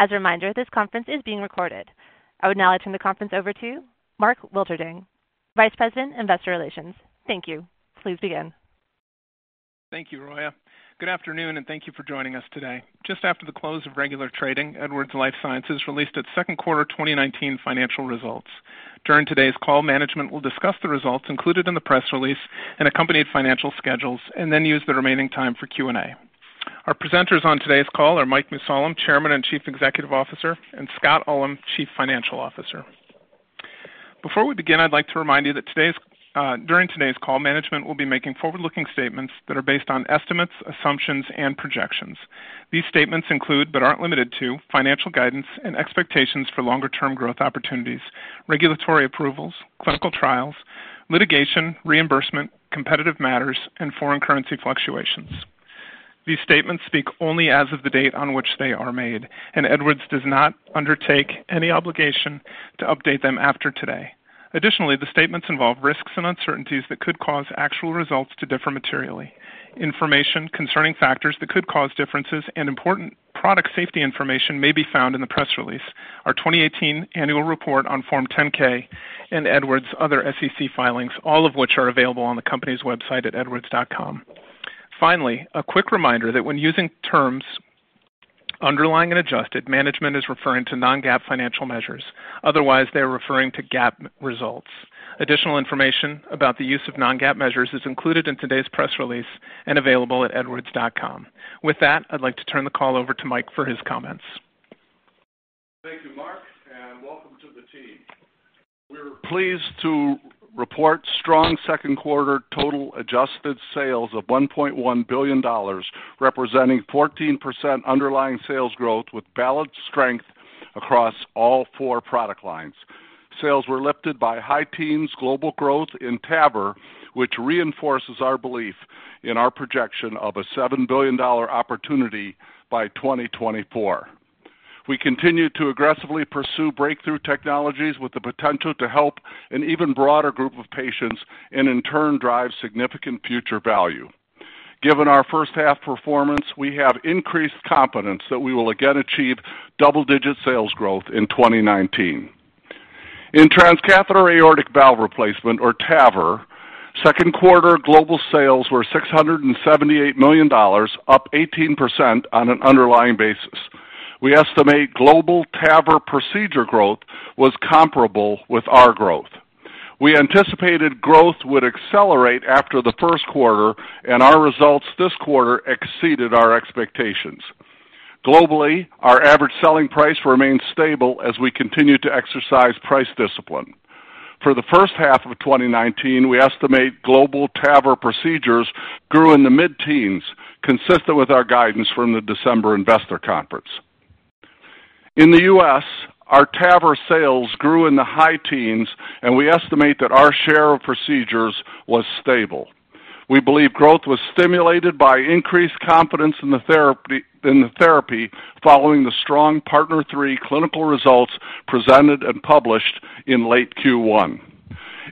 As a reminder, this conference is being recorded. I would now like to turn the conference over to Mark Wilterding, Vice President, Investor Relations. Thank you. Please begin. Thank you, Roya. Good afternoon, and thank you for joining us today. Just after the close of regular trading, Edwards Lifesciences released its second quarter 2019 financial results. During today's call, management will discuss the results included in the press release and accompanied financial schedules and then use the remaining time for Q&A. Our presenters on today's call are Mike Mussallem, Chairman and Chief Executive Officer, and Scott Ullem, Chief Financial Officer. Before we begin, I'd like to remind you that during today's call, management will be making forward-looking statements that are based on estimates, assumptions, and projections. These statements include, but aren't limited to, financial guidance and expectations for longer-term growth opportunities, regulatory approvals, clinical trials, litigation, reimbursement, competitive matters, and foreign currency fluctuations. These statements speak only as of the date on which they are made, and Edwards does not undertake any obligation to update them after today. Additionally, the statements involve risks and uncertainties that could cause actual results to differ materially. Information concerning factors that could cause differences and important product safety information may be found in the press release. Our 2018 annual report on Form 10-K and Edwards' other SEC filings, all of which are available on the company's website at edwards.com. Finally, a quick reminder that when using terms underlying and adjusted, management is referring to non-GAAP financial measures. Otherwise, they're referring to GAAP results. Additional information about the use of non-GAAP measures is included in today's press release and available at edwards.com. With that, I'd like to turn the call over to Mike for his comments. Thank you, Mark, and welcome to the team. We're pleased to report strong second quarter total adjusted sales of $1.1 billion, representing 14% underlying sales growth with balanced strength across all four product lines. Sales were lifted by high teens global growth in TAVR, which reinforces our belief in our projection of a $7 billion opportunity by 2024. We continue to aggressively pursue breakthrough technologies with the potential to help an even broader group of patients and in turn, drive significant future value. Given our first half performance, we have increased confidence that we will again achieve double-digit sales growth in 2019. In transcatheter aortic valve replacement or TAVR, second quarter global sales were $678 million, up 18% on an underlying basis. We estimate global TAVR procedure growth was comparable with our growth. Our results this quarter exceeded our expectations. Globally, our average selling price remains stable as we continue to exercise price discipline. For the first half of 2019, we estimate global TAVR procedures grew in the mid-teens, consistent with our guidance from the December investor conference. In the U.S., our TAVR sales grew in the high teens, and we estimate that our share of procedures was stable. We believe growth was stimulated by increased confidence in the therapy following the strong PARTNER 3 clinical results presented and published in late Q1.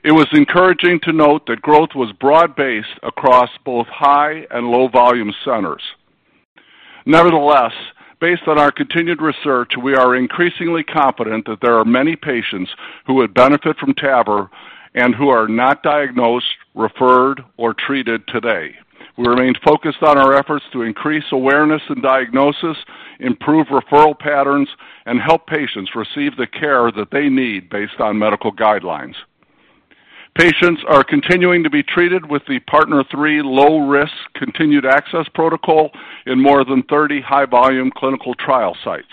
It was encouraging to note that growth was broad-based across both high and low volume centers. Nevertheless, based on our continued research, we are increasingly confident that there are many patients who would benefit from TAVR and who are not diagnosed, referred, or treated today. We remain focused on our efforts to increase awareness and diagnosis, improve referral patterns, and help patients receive the care that they need based on medical guidelines. Patients are continuing to be treated with the PARTNER 3 low-risk continued access protocol in more than 30 high-volume clinical trial sites.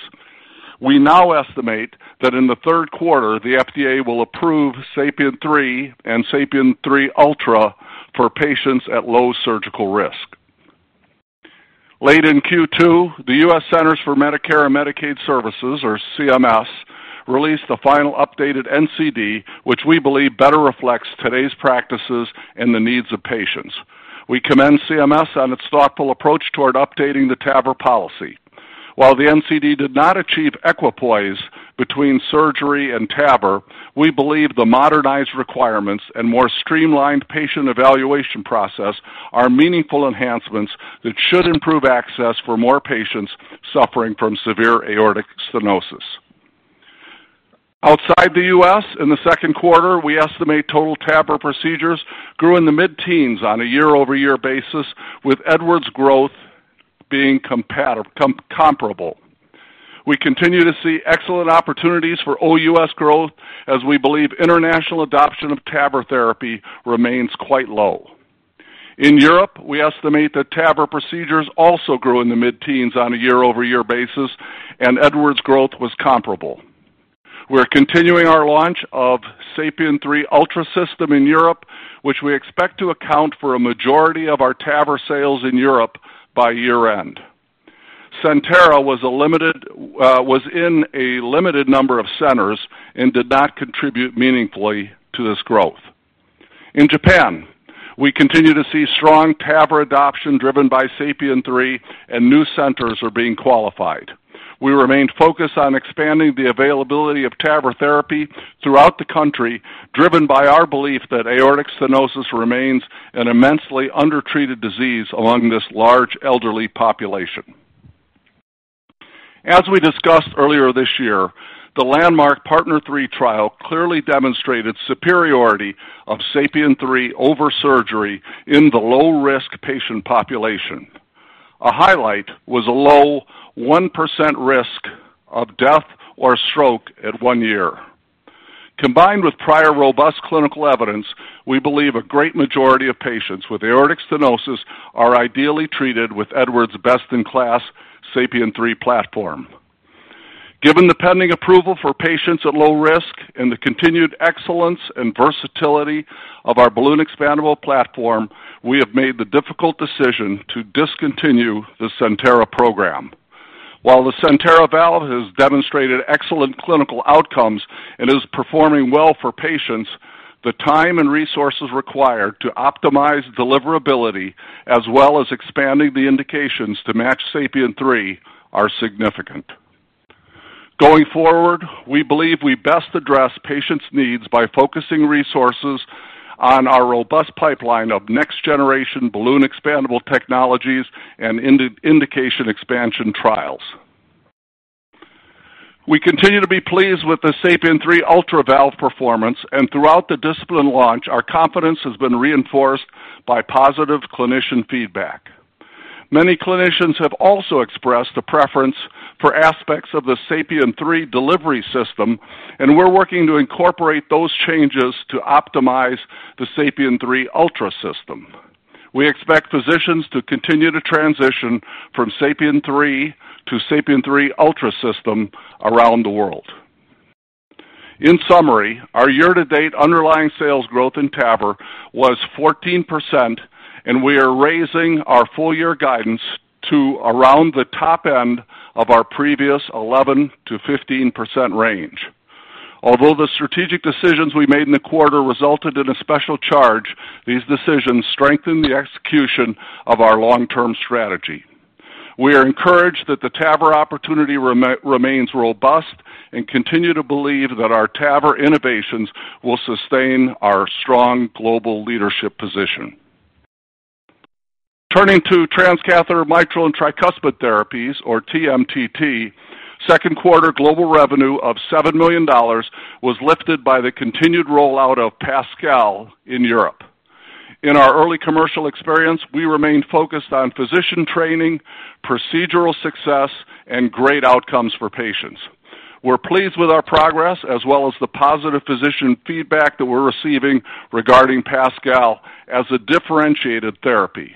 We now estimate that in the third quarter, the FDA will approve SAPIEN 3 and SAPIEN 3 Ultra for patients at low surgical risk. Late in Q2, the U.S. Centers for Medicare and Medicaid Services or CMS, released the final updated NCD, which we believe better reflects today's practices and the needs of patients. We commend CMS on its thoughtful approach toward updating the TAVR policy. While the NCD did not achieve equipoise between surgery and TAVR, we believe the modernized requirements and more streamlined patient evaluation process are meaningful enhancements that should improve access for more patients suffering from severe aortic stenosis. Outside the U.S., in the second quarter, we estimate total TAVR procedures grew in the mid-teens on a year-over-year basis, with Edwards growth being comparable. We continue to see excellent opportunities for OUS growth as we believe international adoption of TAVR therapy remains quite low. In Europe, we estimate that TAVR procedures also grew in the mid-teens on a year-over-year basis, and Edwards growth was comparable. We're continuing our launch of SAPIEN 3 Ultra system in Europe, which we expect to account for a majority of our TAVR sales in Europe by year-end. CENTERA was in a limited number of centers and did not contribute meaningfully to this growth. In Japan, we continue to see strong TAVR adoption driven by SAPIEN 3 and new centers are being qualified. We remain focused on expanding the availability of TAVR therapy throughout the country, driven by our belief that aortic stenosis remains an immensely undertreated disease among this large elderly population. As we discussed earlier this year, the landmark PARTNER 3 trial clearly demonstrated superiority of SAPIEN 3 over surgery in the low-risk patient population. A highlight was a low 1% risk of death or stroke at one year. Combined with prior robust clinical evidence, we believe a great majority of patients with aortic stenosis are ideally treated with Edwards' best-in-class SAPIEN 3 platform. Given the pending approval for patients at low risk and the continued excellence and versatility of our balloon-expandable platform, we have made the difficult decision to discontinue the CENTERA program. While the CENTERA valve has demonstrated excellent clinical outcomes and is performing well for patients, the time and resources required to optimize deliverability, as well as expanding the indications to match SAPIEN 3, are significant. Going forward, we believe we best address patients' needs by focusing resources on our robust pipeline of next-generation balloon-expandable technologies and indication expansion trials. We continue to be pleased with the SAPIEN 3 Ultra valve performance, and throughout the discipline launch, our confidence has been reinforced by positive clinician feedback. Many clinicians have also expressed a preference for aspects of the SAPIEN 3 delivery system, and we're working to incorporate those changes to optimize the SAPIEN 3 Ultra system. We expect physicians to continue to transition from SAPIEN 3 to SAPIEN 3 Ultra system around the world. In summary, our year-to-date underlying sales growth in TAVR was 14%, and we are raising our full-year guidance to around the top end of our previous 11%-15% range. Although the strategic decisions we made in the quarter resulted in a special charge, these decisions strengthen the execution of our long-term strategy. We are encouraged that the TAVR opportunity remains robust and continue to believe that our TAVR innovations will sustain our strong global leadership position. Turning to transcatheter mitral and tricuspid therapies, or TMTT, second quarter global revenue of $7 million was lifted by the continued rollout of PASCAL in Europe. In our early commercial experience, we remained focused on physician training, procedural success, and great outcomes for patients. We're pleased with our progress as well as the positive physician feedback that we're receiving regarding PASCAL as a differentiated therapy.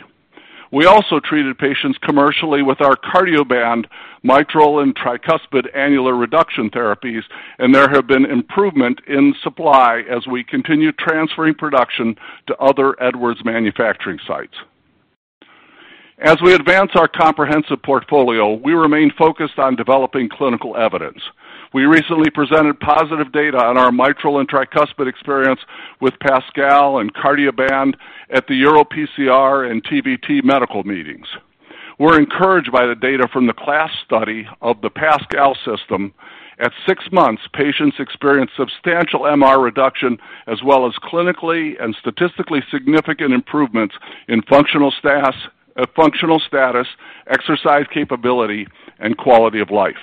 We also treated patients commercially with our Cardioband mitral and tricuspid annular reduction therapies. There have been improvement in supply as we continue transferring production to other Edwards manufacturing sites. As we advance our comprehensive portfolio, we remain focused on developing clinical evidence. We recently presented positive data on our mitral and tricuspid experience with PASCAL and Cardioband at the EuroPCR and TVT medical meetings. We're encouraged by the data from the CLASP study of the PASCAL system. At six months, patients experienced substantial MR reduction as well as clinically and statistically significant improvements in functional status, exercise capability, and quality of life.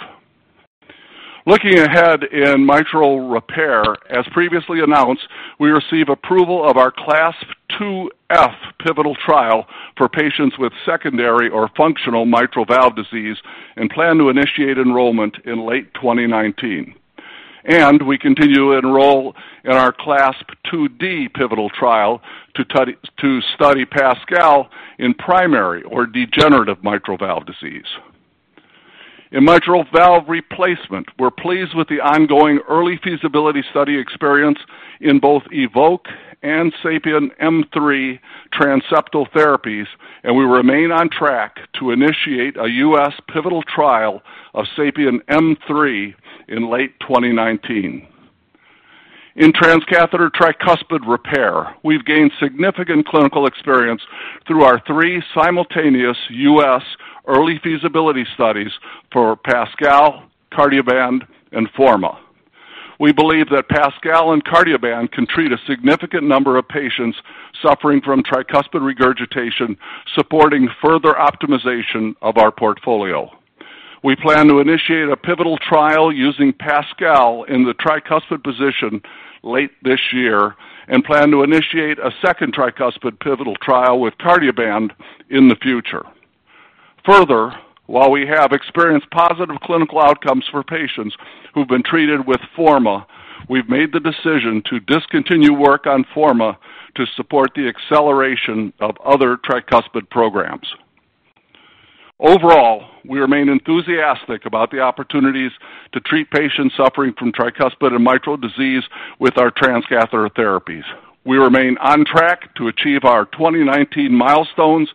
Looking ahead in mitral repair, as previously announced, we received approval of our CLASP IIF pivotal trial for patients with secondary or functional mitral valve disease and plan to initiate enrollment in late 2019. We continue to enroll in our CLASP IID pivotal trial to study PASCAL in primary or degenerative mitral valve disease. In mitral valve replacement, we're pleased with the ongoing early feasibility study experience in both EVOQUE and SAPIEN M3 transseptal therapies. We remain on track to initiate a U.S. pivotal trial of SAPIEN M3 in late 2019. In transcatheter tricuspid repair, we've gained significant clinical experience through our three simultaneous U.S. early feasibility studies for PASCAL, Cardioband, and FORMA. We believe that PASCAL and Cardioband can treat a significant number of patients suffering from tricuspid regurgitation, supporting further optimization of our portfolio. We plan to initiate a pivotal trial using PASCAL in the tricuspid position late this year and plan to initiate a second tricuspid pivotal trial with Cardioband in the future. Further, while we have experienced positive clinical outcomes for patients who've been treated with FORMA, we've made the decision to discontinue work on FORMA to support the acceleration of other tricuspid programs. Overall, we remain enthusiastic about the opportunities to treat patients suffering from tricuspid and mitral disease with our transcatheter therapies. We remain on track to achieve our 2019 milestones,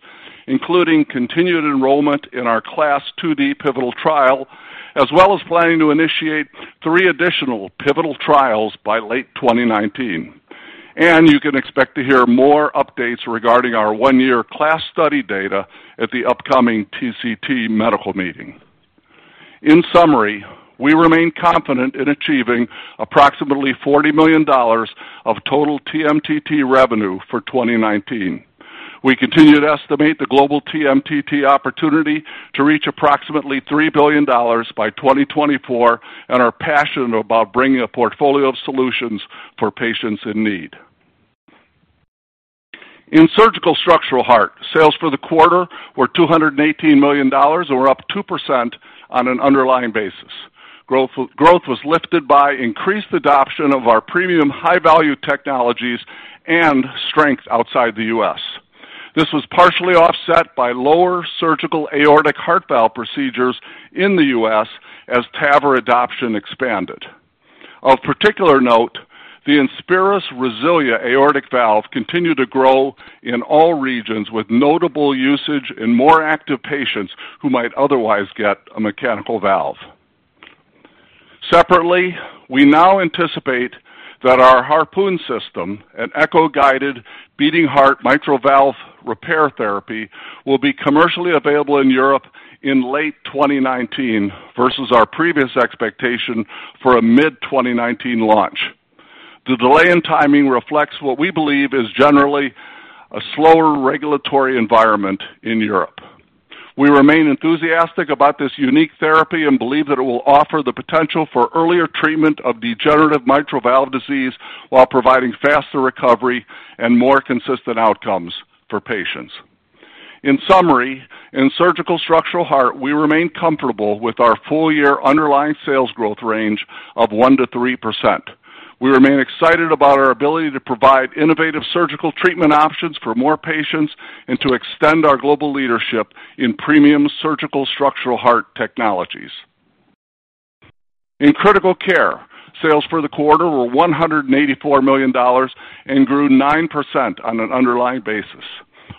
including continued enrollment in our CLASP IID pivotal trial, as well as planning to initiate three additional pivotal trials by late 2019. You can expect to hear more updates regarding our one-year CLASP study data at the upcoming TCT medical meeting. In summary, we remain confident in achieving approximately $40 million of total TMTT revenue for 2019. We continue to estimate the global TMTT opportunity to reach approximately $3 billion by 2024 and are passionate about bringing a portfolio of solutions for patients in need. In surgical structural heart, sales for the quarter were $218 million, or up 2% on an underlying basis. Growth was lifted by increased adoption of our premium high-value technologies and strength outside the U.S. This was partially offset by lower surgical aortic heart valve procedures in the U.S. as TAVR adoption expanded. Of particular note, the INSPIRIS RESILIA aortic valve continued to grow in all regions with notable usage in more active patients who might otherwise get a mechanical valve. Separately, we now anticipate that our HARPOON system, an echo-guided beating heart mitral valve repair therapy, will be commercially available in Europe in late 2019 versus our previous expectation for a mid-2019 launch. The delay in timing reflects what we believe is generally a slower regulatory environment in Europe. We remain enthusiastic about this unique therapy and believe that it will offer the potential for earlier treatment of degenerative mitral valve disease while providing faster recovery and more consistent outcomes for patients. In summary, in surgical structural heart, we remain comfortable with our full-year underlying sales growth range of 1%-3%. We remain excited about our ability to provide innovative surgical treatment options for more patients and to extend our global leadership in premium surgical structural heart technologies. In critical care, sales for the quarter were $184 million and grew 9% on an underlying basis.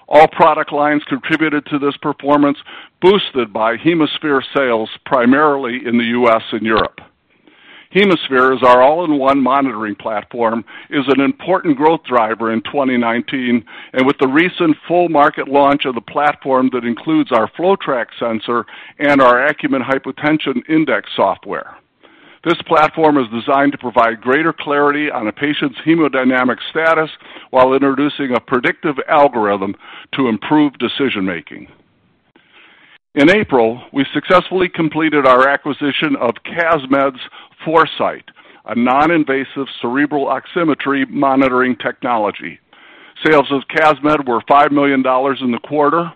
All product lines contributed to this performance, boosted by HemoSphere sales, primarily in the U.S. and Europe. HemoSphere is our all-in-one monitoring platform, is an important growth driver in 2019, and with the recent full market launch of the platform that includes our FloTrac sensor and our Acumen Hypotension Prediction Index software. This platform is designed to provide greater clarity on a patient's hemodynamic status while introducing a predictive algorithm to improve decision-making. In April, we successfully completed our acquisition of CASMED's ForeSight, a non-invasive cerebral oximetry monitoring technology. Sales of CASMED were $5 million in the quarter.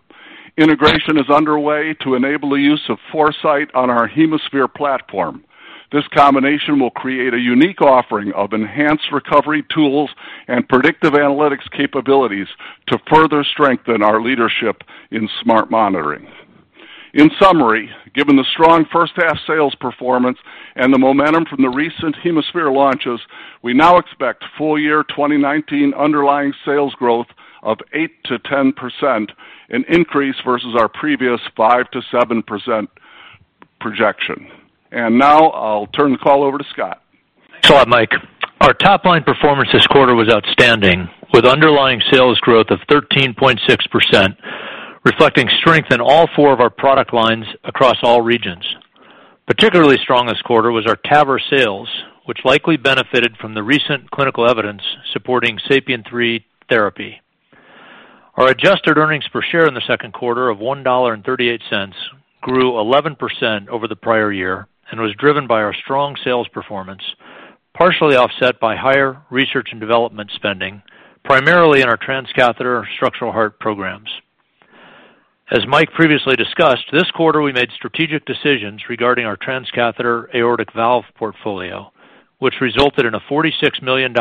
Integration is underway to enable the use of ForeSight on our HemoSphere platform. This combination will create a unique offering of enhanced recovery tools and predictive analytics capabilities to further strengthen our leadership in smart monitoring. In summary, given the strong first-half sales performance and the momentum from the recent HemoSphere launches, we now expect full-year 2019 underlying sales growth of 8%-10%, an increase versus our previous 5%-7% projection. Now I'll turn the call over to Scott. Thanks a lot, Mike. Our top-line performance this quarter was outstanding, with underlying sales growth of 13.6%, reflecting strength in all four of our product lines across all regions. Particularly strong this quarter was our TAVR sales, which likely benefited from the recent clinical evidence supporting SAPIEN 3 therapy. Our adjusted earnings per share in the second quarter of $1.38 grew 11% over the prior year and was driven by our strong sales performance, partially offset by higher research and development spending, primarily in our transcatheter structural heart programs. As Mike previously discussed, this quarter we made strategic decisions regarding our transcatheter aortic valve portfolio, which resulted in a $46 million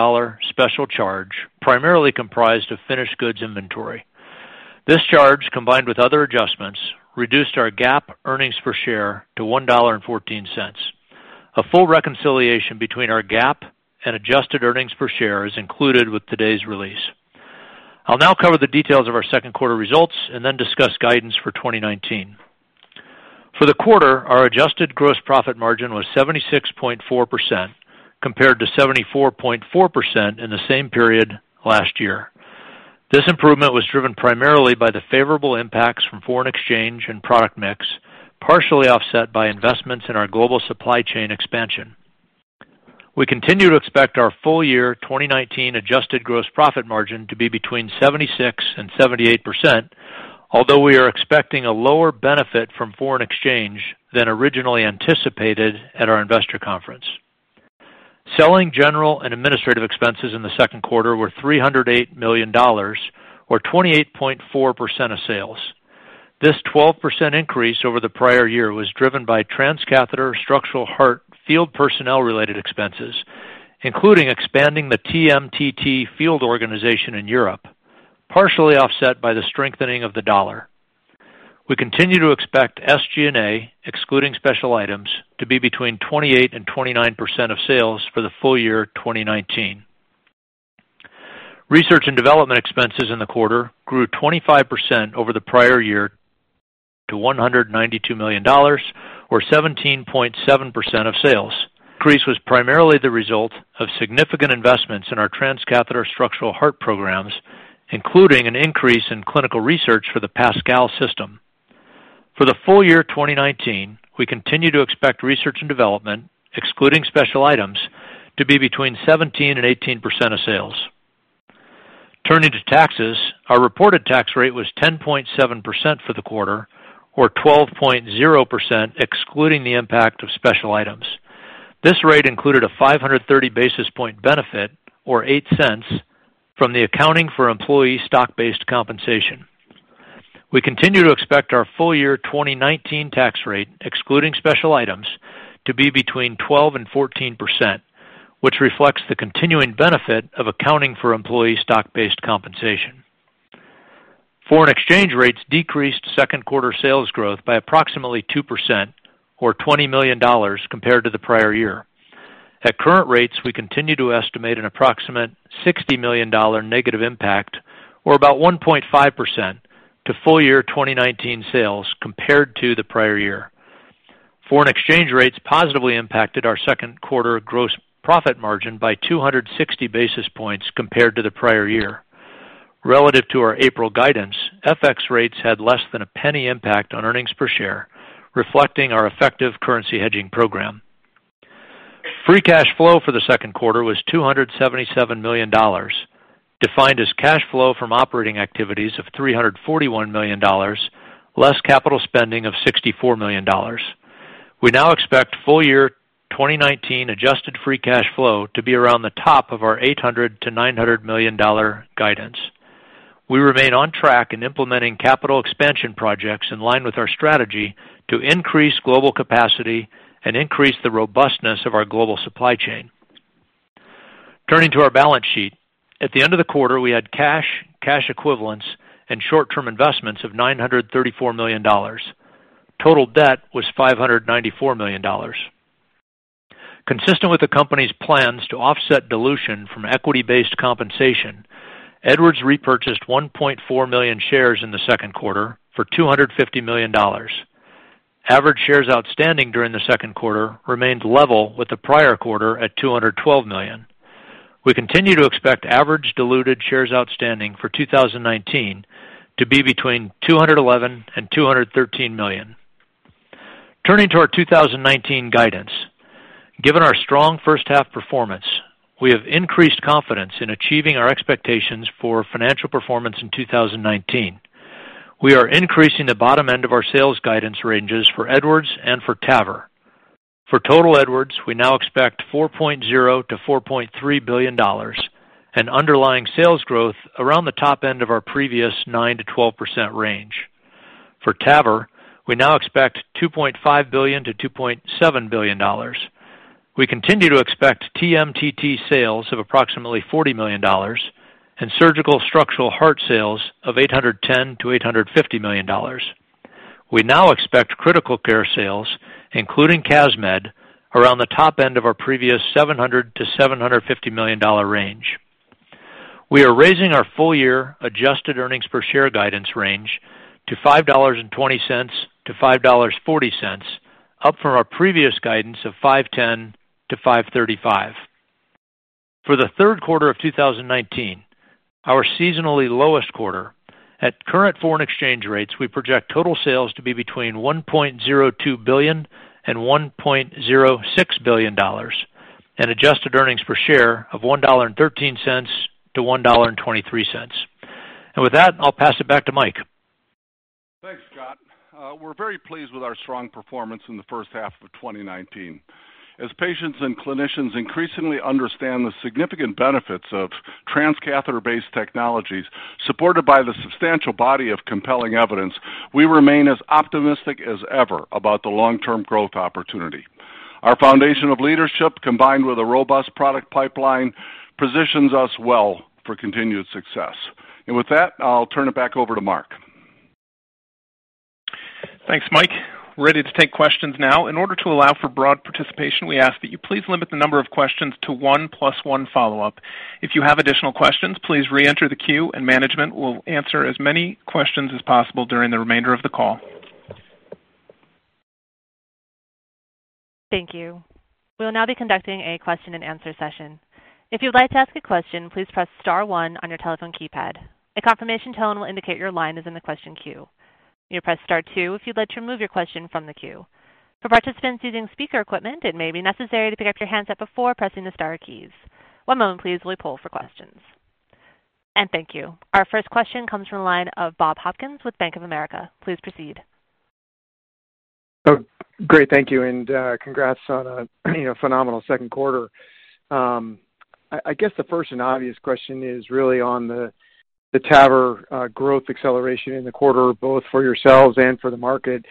special charge, primarily comprised of finished goods inventory. This charge, combined with other adjustments, reduced our GAAP earnings per share to $1.14. A full reconciliation between our GAAP and adjusted earnings per share is included with today's release. I'll now cover the details of our second quarter results and then discuss guidance for 2019. For the quarter, our adjusted gross profit margin was 76.4% compared to 74.4% in the same period last year. This improvement was driven primarily by the favorable impacts from foreign exchange and product mix, partially offset by investments in our global supply chain expansion. We continue to expect our full-year 2019 adjusted gross profit margin to be between 76% and 78%, although we are expecting a lower benefit from foreign exchange than originally anticipated at our investor conference. Selling, general, and administrative expenses in the second quarter were $308 million, or 28.4% of sales. This 12% increase over the prior year was driven by transcatheter structural heart field personnel-related expenses, including expanding the TMTT field organization in Europe, partially offset by the strengthening of the dollar. We continue to expect SG&A, excluding special items, to be between 28% and 29% of sales for the full year 2019. Research and development expenses in the quarter grew 25% over the prior year to $192 million, or 17.7% of sales. Increase was primarily the result of significant investments in our transcatheter structural heart programs, including an increase in clinical research for the PASCAL system. For the full year 2019, we continue to expect research and development, excluding special items, to be between 17% and 18% of sales. Turning to taxes, our reported tax rate was 10.7% for the quarter, or 12.0%, excluding the impact of special items. This rate included a 530 basis point benefit, or $0.08, from the accounting for employee stock-based compensation. We continue to expect our full-year 2019 tax rate, excluding special items, to be between 12%-14%, which reflects the continuing benefit of accounting for employee stock-based compensation. Foreign exchange rates decreased second quarter sales growth by approximately 2%, or $20 million compared to the prior year. At current rates, we continue to estimate an approximate $60 million negative impact, or about 1.5%, to full-year 2019 sales compared to the prior year. Foreign exchange rates positively impacted our second quarter gross profit margin by 260 basis points compared to the prior year. Relative to our April guidance, FX rates had less than a penny impact on earnings per share, reflecting our effective currency hedging program. Free cash flow for the second quarter was $277 million, defined as cash flow from operating activities of $341 million, less capital spending of $64 million. We now expect full-year 2019 adjusted free cash flow to be around the top of our $800 million-$900 million guidance. We remain on track in implementing capital expansion projects in line with our strategy to increase global capacity and increase the robustness of our global supply chain. Turning to our balance sheet. At the end of the quarter, we had cash equivalents, and short-term investments of $934 million. Total debt was $594 million. Consistent with the company's plans to offset dilution from equity-based compensation, Edwards repurchased 1.4 million shares in the second quarter for $250 million. Average shares outstanding during the second quarter remained level with the prior quarter at 212 million. We continue to expect average diluted shares outstanding for 2019 to be between 211 million and 213 million. Turning to our 2019 guidance. Given our strong first half performance, we have increased confidence in achieving our expectations for financial performance in 2019. We are increasing the bottom end of our sales guidance ranges for Edwards and for TAVR. For total Edwards, we now expect $4.0 billion-$4.3 billion and underlying sales growth around the top end of our previous 9%-12% range. For TAVR, we now expect $2.5 billion-$2.7 billion. We continue to expect TMTT sales of approximately $40 million and surgical structural heart sales of $810 million-$850 million. We now expect critical care sales, including CASMED, around the top end of our previous $700 million-$750 million range. We are raising our full-year adjusted earnings per share guidance range to $5.20-$5.40, up from our previous guidance of $5.10-$5.35. For the third quarter of 2019, our seasonally lowest quarter, at current foreign exchange rates, we project total sales to be between $1.02 billion and $1.06 billion and adjusted earnings per share of $1.13-$1.23. With that, I'll pass it back to Mike. Thanks, Scott. We're very pleased with our strong performance in the first half of 2019. As patients and clinicians increasingly understand the significant benefits of transcatheter-based technologies supported by the substantial body of compelling evidence, we remain as optimistic as ever about the long-term growth opportunity. Our foundation of leadership, combined with a robust product pipeline, positions us well for continued success. With that, I'll turn it back over to Mark. Thanks, Mike. We're ready to take questions now. In order to allow for broad participation, we ask that you please limit the number of questions to one plus one follow-up. If you have additional questions, please re-enter the queue and management will answer as many questions as possible during the remainder of the call. Thank you. We'll now be conducting a question-and-answer session. If you would like to ask a question, please press star one on your telephone keypad. A confirmation tone will indicate your line is in the question queue. You press star two if you'd like to remove your question from the queue. For participants using speaker equipment, it may be necessary to pick up your handset before pressing the star keys. One moment please while we poll for questions. Thank you. Our first question comes from the line of Bob Hopkins with Bank of America. Please proceed. Great, thank you, and congrats on a phenomenal second quarter. I guess the first and obvious question is really on the TAVR growth acceleration in the quarter, both for yourselves and for the market.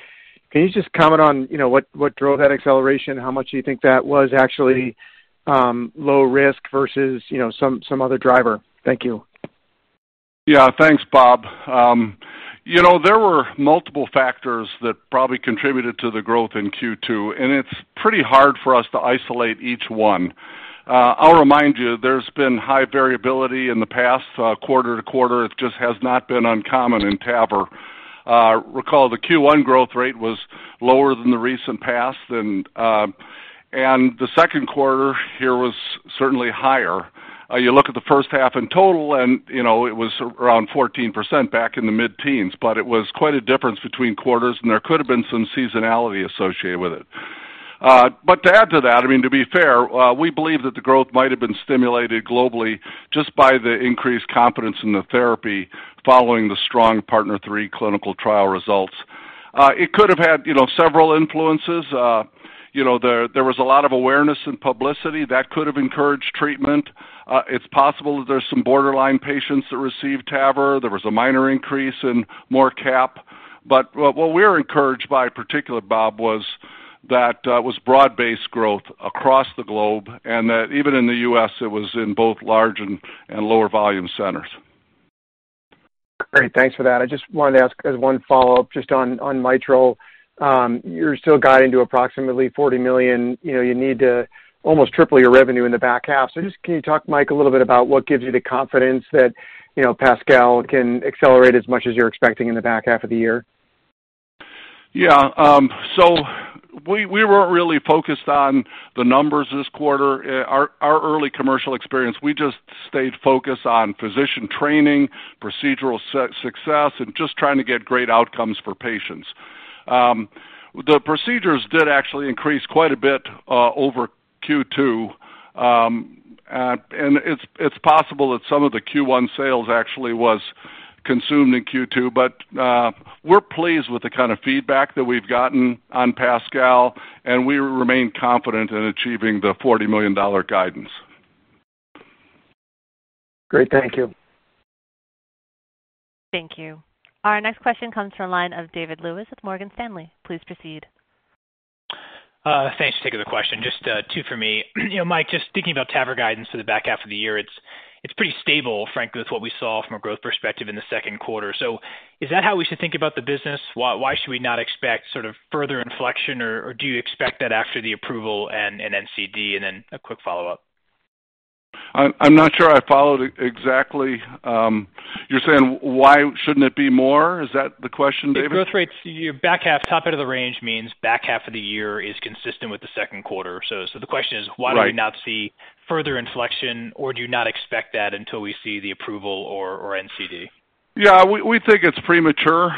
Can you just comment on what drove that acceleration? How much do you think that was actually low risk versus some other driver? Thank you. Yeah. Thanks, Bob. There were multiple factors that probably contributed to the growth in Q2. It's pretty hard for us to isolate each one. I'll remind you, there's been high variability in the past quarter to quarter. It just has not been uncommon in TAVR. Recall, the Q1 growth rate was lower than the recent past. The second quarter here was certainly higher. You look at the first half in total and it was around 14% back in the mid-teens. It was quite a difference between quarters and there could have been some seasonality associated with it. To add to that, to be fair, we believe that the growth might have been stimulated globally just by the increased confidence in the therapy following the strong PARTNER 3 clinical trial results. It could have had several influences. There was a lot of awareness and publicity that could have encouraged treatment. It's possible that there's some borderline patients that received TAVR. There was a minor increase in more CAP. What we're encouraged by particularly, Bob, was that was broad-based growth across the globe and that even in the U.S., it was in both large and lower volume centers. Great. Thanks for that. I just wanted to ask as one follow-up just on mitral. You're still guiding to approximately $40 million. You need to almost triple your revenue in the back half. Just can you talk, Mike, a little bit about what gives you the confidence that PASCAL can accelerate as much as you're expecting in the back half of the year? Yeah. We weren't really focused on the numbers this quarter. Our early commercial experience, we just stayed focused on physician training, procedural success, and just trying to get great outcomes for patients. The procedures did actually increase quite a bit over Q2. It's possible that some of the Q1 sales actually was consumed in Q2, but we're pleased with the kind of feedback that we've gotten on PASCAL, and we remain confident in achieving the $40 million guidance. Great. Thank you. Thank you. Our next question comes from the line of David Lewis with Morgan Stanley. Please proceed. Thanks. Just taking the question. Just two for me. Mike, just thinking about TAVR guidance for the back half of the year. It's pretty stable, frankly, with what we saw from a growth perspective in the second quarter. Is that how we should think about the business? Why should we not expect sort of further inflection, or do you expect that after the approval and NCD? Then a quick follow-up. I'm not sure I followed exactly. You're saying why shouldn't it be more? Is that the question, David? If growth rates your back half top end of the range means back half of the year is consistent with the second quarter. The question is why? Right would we not see further inflection or do you not expect that until we see the approval or NCD? Yeah, we think it's premature.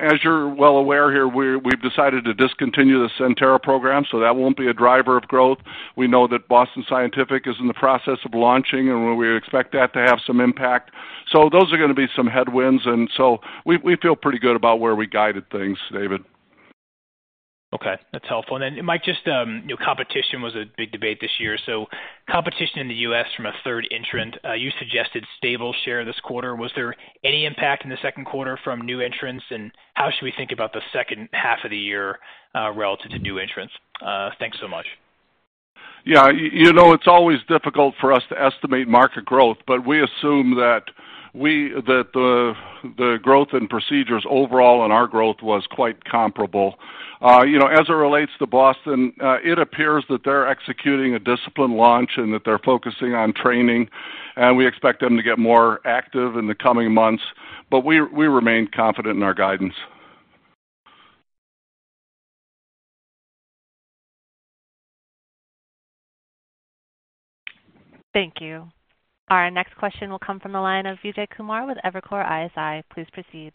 As you're well aware here, we've decided to discontinue the CENTERA program, that won't be a driver of growth. We know that Boston Scientific is in the process of launching, we expect that to have some impact. Those are going to be some headwinds, we feel pretty good about where we guided things, David. Okay. That's helpful. Mike, just competition was a big debate this year. Competition in the U.S. from a third entrant, you suggested stable share this quarter. Was there any impact in the second quarter from new entrants, and how should we think about the second half of the year, relative to new entrants? Thanks so much. Yeah. It's always difficult for us to estimate market growth, but we assume that the growth in procedures overall and our growth was quite comparable. As it relates to Boston, it appears that they're executing a disciplined launch and that they're focusing on training. We expect them to get more active in the coming months. We remain confident in our guidance. Thank you. Our next question will come from the line of Vijay Kumar with Evercore ISI. Please proceed.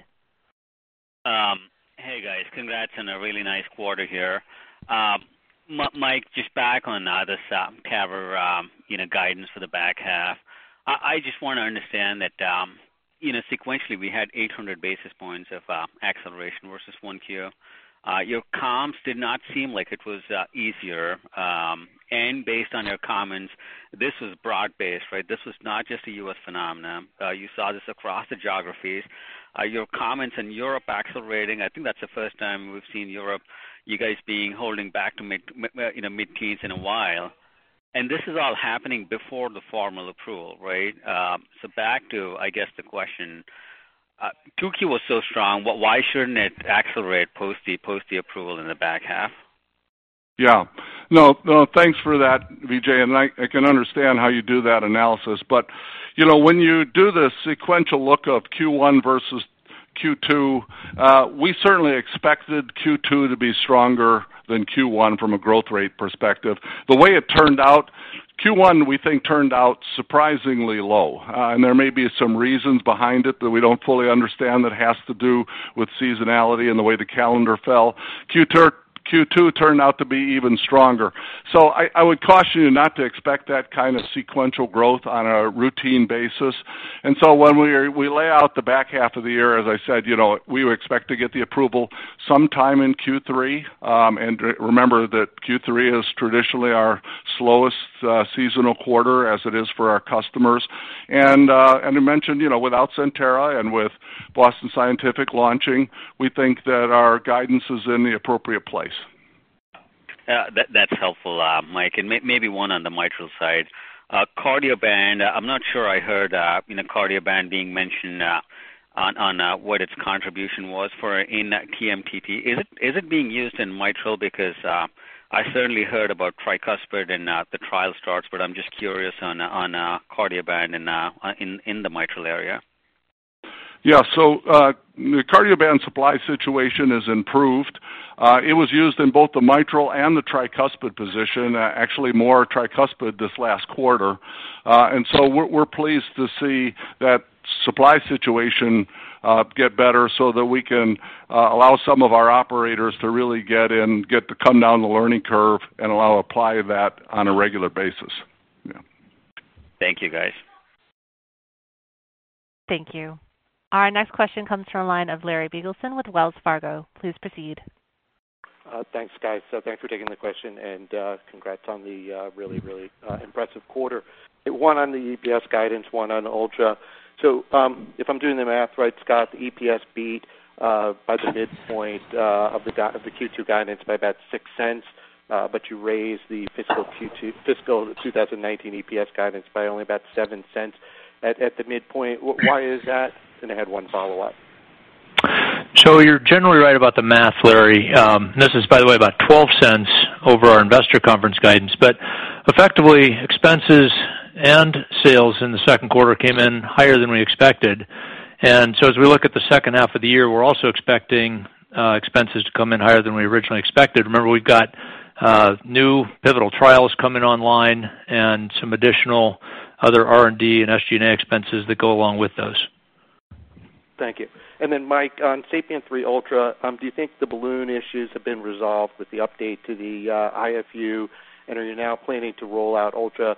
Hey, guys. Congrats on a really nice quarter here. Mike, just back on the TAVR guidance for the back half. I just want to understand that sequentially, we had 800 basis points of acceleration versus 1Q. Your comps did not seem like it was easier. Based on your comments, this was broad-based, right? This was not just a U.S. phenomenon. You saw this across the geographies. Your comments in Europe accelerating, I think that's the first time we've seen Europe, you guys being holding back to mid-teens in a while. This is all happening before the formal approval, right? Back to, I guess, the question. 2Q was so strong, why shouldn't it accelerate post the approval in the back half? No, thanks for that, Vijay. I can understand how you do that analysis. When you do the sequential look of Q1 versus Q2, we certainly expected Q2 to be stronger than Q1 from a growth rate perspective. The way it turned out, Q1 we think turned out surprisingly low. There may be some reasons behind it that we don't fully understand that has to do with seasonality and the way the calendar fell. Q2 turned out to be even stronger. I would caution you not to expect that kind of sequential growth on a routine basis. When we lay out the back half of the year, as I said, we would expect to get the approval sometime in Q3. Remember that Q3 is traditionally our slowest seasonal quarter as it is for our customers. I mentioned, without CENTERA and with Boston Scientific launching, we think that our guidance is in the appropriate place. That's helpful, Mike. Maybe one on the mitral side. Cardioband, I'm not sure I heard Cardioband being mentioned on what its contribution was for in TMTT. Is it being used in mitral? I certainly heard about tricuspid and the trial starts, but I'm just curious on Cardioband in the mitral area. Yeah. The Cardioband supply situation has improved. It was used in both the mitral and the tricuspid position, actually more tricuspid this last quarter. We're pleased to see that supply situation get better so that we can allow some of our operators to really get in, get to come down the learning curve, and apply that on a regular basis. Yeah. Thank you, guys. Thank you. Our next question comes from the line of Larry Biegelsen with Wells Fargo. Please proceed. Thanks, guys. Thanks for taking the question, and congrats on the really, really impressive quarter. One on the EPS guidance, one on Ultra. If I'm doing the math right, Scott, the EPS beat by the midpoint of the Q2 guidance by about $0.06, but you raised the fiscal 2019 EPS guidance by only about $0.07 at the midpoint. Why is that? I had one follow-up. You're generally right about the math, Larry. This is, by the way, about $0.12 over our investor conference guidance. Effectively, expenses and sales in the second quarter came in higher than we expected. As we look at the second half of the year, we're also expecting expenses to come in higher than we originally expected. Remember, we've got new pivotal trials coming online and some additional other R&D and SG&A expenses that go along with those. Thank you. Mike, on SAPIEN 3 Ultra, do you think the balloon issues have been resolved with the update to the IFU? Are you now planning to roll out Ultra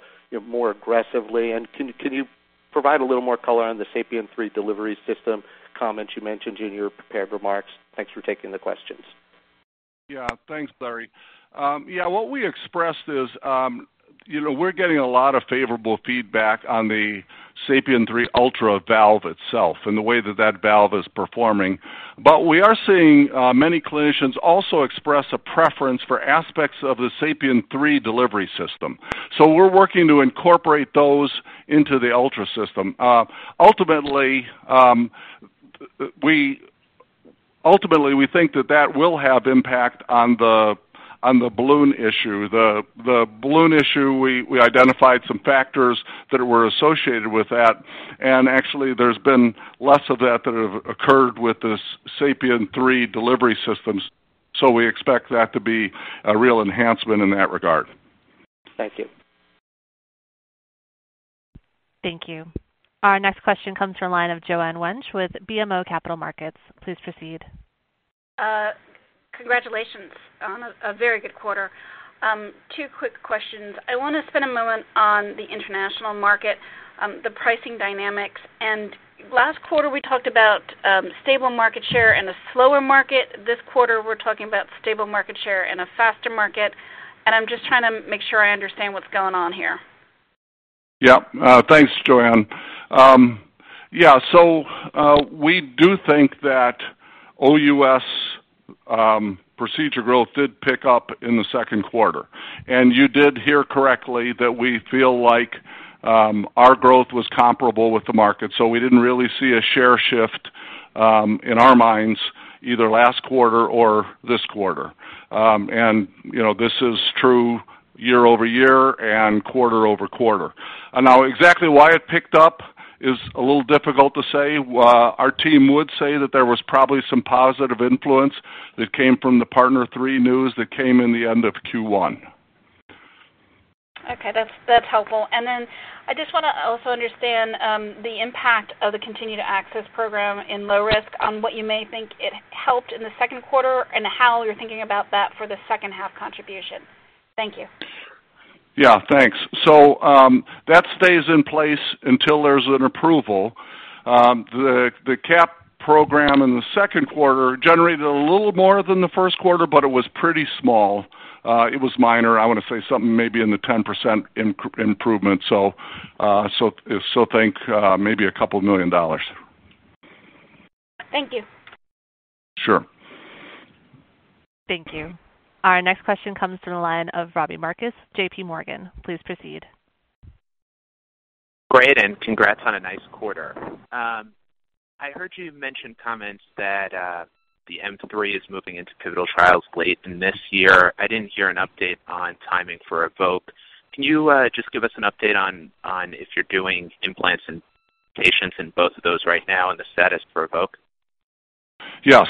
more aggressively? Can you provide a little more color on the SAPIEN 3 delivery system comments you mentioned in your prepared remarks? Thanks for taking the questions. Thanks, Larry. What we expressed is we're getting a lot of favorable feedback on the SAPIEN 3 Ultra valve itself and the way that that valve is performing. We are seeing many clinicians also express a preference for aspects of the SAPIEN 3 delivery system. We're working to incorporate those into the Ultra system. Ultimately, we think that that will have impact on the balloon issue. The balloon issue, we identified some factors that were associated with that, actually, there's been less of that occurring with the SAPIEN 3 delivery systems. We expect that to be a real enhancement in that regard. Thank you. Thank you. Our next question comes from the line of Joanne Wuensch with BMO Capital Markets. Please proceed. Congratulations on a very good quarter. Two quick questions. I want to spend a moment on the international market, the pricing dynamics. Last quarter, we talked about stable market share in a slower market. This quarter, we're talking about stable market share in a faster market, and I'm just trying to make sure I understand what's going on here. Thanks, Joanne. We do think that OUS procedure growth did pick up in the second quarter. You did hear correctly that we feel like our growth was comparable with the market. We didn't really see a share shift, in our minds, either last quarter or this quarter. This is true year-over-year and quarter-over-quarter. Exactly why it picked up is a little difficult to say. Our team would say that there was probably some positive influence that came from the PARTNER 3 news that came in the end of Q1. Okay. That's helpful. I just want to also understand the impact of the Continue to Access Program in low risk on what you may think it helped in the second quarter and how you're thinking about that for the second half contribution. Thank you. Yeah. Thanks. That stays in place until there's an approval. The CAP program in the second quarter generated a little more than the first quarter, but it was pretty small. It was minor. I want to say something maybe in the 10% improvement. Think maybe a couple million dollars. Thank you. Sure. Thank you. Our next question comes from the line of Robbie Marcus, JPMorgan. Please proceed. Great, congrats on a nice quarter. I heard you mention comments that the M3 is moving into pivotal trials late in this year. I didn't hear an update on timing for EVOQUE. Can you just give us an update on if you're doing implants in patients in both of those right now and the status for EVOQUE? Yes.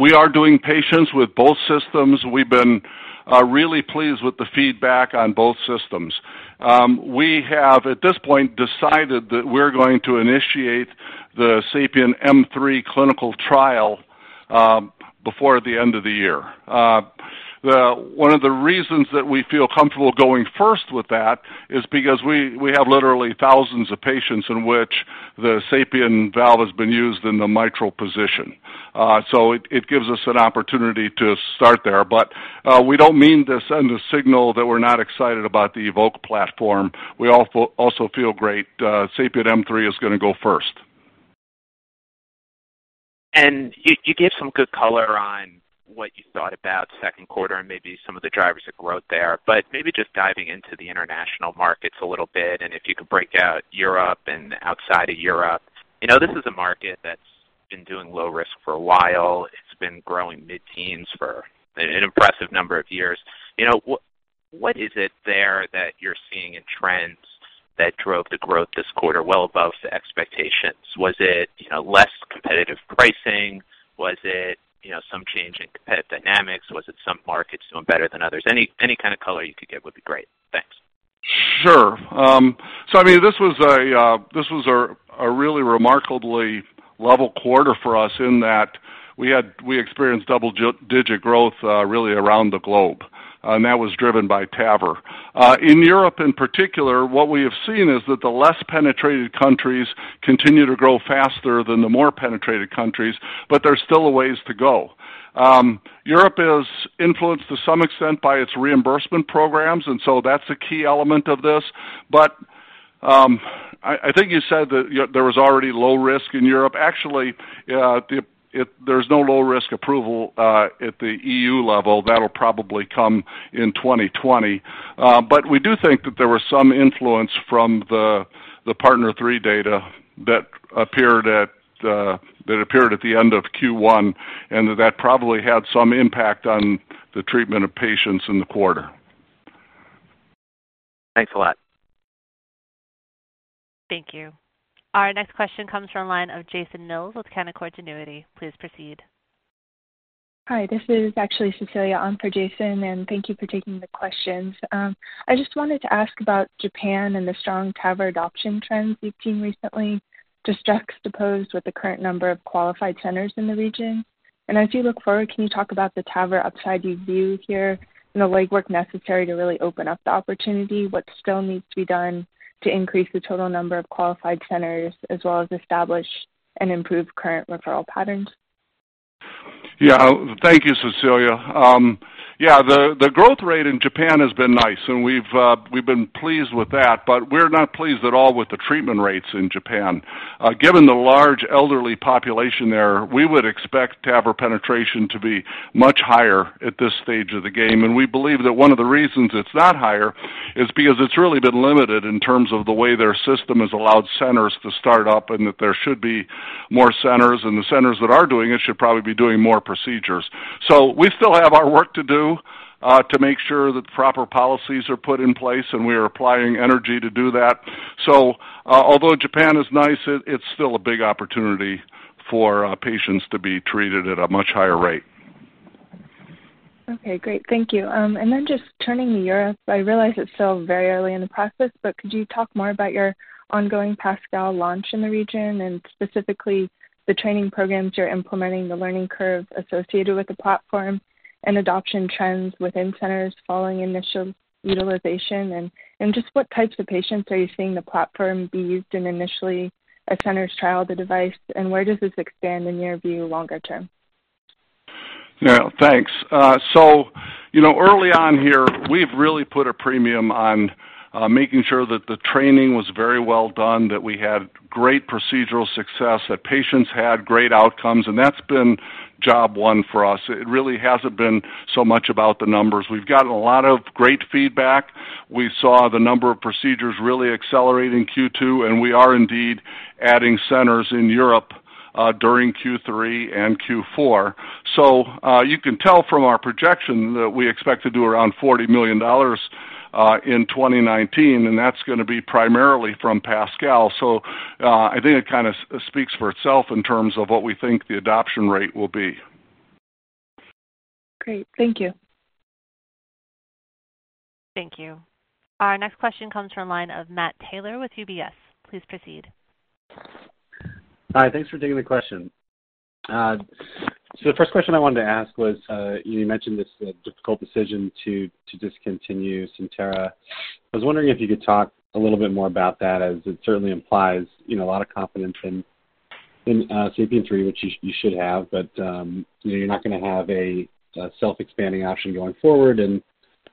We are doing patients with both systems. We've been really pleased with the feedback on both systems. We have, at this point, decided that we're going to initiate the SAPIEN M3 clinical trial before the end of the year. One of the reasons that we feel comfortable going first with that is because we have literally thousands of patients in which the SAPIEN valve has been used in the mitral position. It gives us an opportunity to start there. We don't mean to send a signal that we're not excited about the EVOQUE platform. We also feel great. SAPIEN M3 is going to go first. You gave some good color on what you thought about the second quarter and maybe some of the drivers of growth there, but maybe just diving into the international markets a little bit and if you could break out Europe and outside of Europe. This is a market that's been doing low risk for a while. It's been growing mid-teens for an impressive number of years. What is it there that you're seeing in trends that drove the growth this quarter well above the expectations? Was it less competitive pricing? Was it some change in competitive dynamics? Was it some markets doing better than others? Any kind of color you could give would be great. Thanks. Sure. This was a really remarkably level quarter for us in that we experienced double-digit growth, really around the globe. That was driven by TAVR. In Europe in particular, what we have seen is that the less penetrated countries continue to grow faster than the more penetrated countries, but there's still a ways to go. Europe is influenced to some extent by its reimbursement programs, and so that's a key element of this. I think you said that there was already low risk in Europe. Actually, there's no low risk approval at the EU level. That'll probably come in 2020. We do think that there was some influence from the PARTNER 3 data that appeared at the end of Q1, and that probably had some impact on the treatment of patients in the quarter. Thanks a lot. Thank you. Our next question comes from the line of Jason Mills with Canaccord Genuity. Please proceed. Hi, this is actually Cecilia. I'm for Jason. Thank you for taking the questions. I just wanted to ask about Japan and the strong TAVR adoption trends we've seen recently, juxtaposed with the current number of qualified centers in the region. As you look forward, can you talk about the TAVR upside you view here and the legwork necessary to really open up the opportunity? What still needs to be done to increase the total number of qualified centers, as well as establish and improve current referral patterns? Yeah. Thank you, Cecilia. Yeah, the growth rate in Japan has been nice, and we've been pleased with that, but we're not pleased at all with the treatment rates in Japan. Given the large elderly population there, we would expect TAVR penetration to be much higher at this stage of the game. We believe that one of the reasons it's not higher is because it's really been limited in terms of the way their system has allowed centers to start up, and that there should be more centers, and the centers that are doing it should probably be doing more procedures. We still have our work to do to make sure that the proper policies are put in place, and we are applying energy to do that. Although Japan is nice, it's still a big opportunity for patients to be treated at a much higher rate. Okay, great. Thank you. Then just turning to Europe, I realize it's still very early in the process, but could you talk more about your ongoing PASCAL launch in the region and specifically the training programs you're implementing, the learning curve associated with the platform and adoption trends within centers following initial utilization? Just what types of patients are you seeing the platform be used in initially as centers trial the device, and where does this expand in your view longer-term? Yeah. Thanks. Early on here, we've really put a premium on making sure that the training was very well done, that we had great procedural success, that patients had great outcomes, and that's been job one for us. It really hasn't been so much about the numbers. We've gotten a lot of great feedback. We saw the number of procedures really accelerate in Q2, and we are indeed adding centers in Europe during Q3 and Q4. You can tell from our projection that we expect to do around $40 million in 2019, and that's going to be primarily from PASCAL. I think it kind of speaks for itself in terms of what we think the adoption rate will be. Great. Thank you. Thank you. Our next question comes from the line of Matt Taylor with UBS. Please proceed. Hi. Thanks for taking the question. The first question I wanted to ask was, you mentioned this difficult decision to discontinue CENTERA. I was wondering if you could talk a little bit more about that, as it certainly implies a lot of confidence in SAPIEN 3, which you should have. You're not going to have a self-expanding option going forward, and